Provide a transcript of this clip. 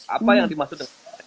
apa yang dimaksud